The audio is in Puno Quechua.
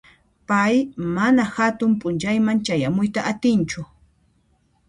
Pay mana hatun p'unchayman chayamuyta atinchu.